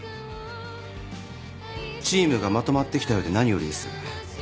チームがまとまってきたようで何よりです。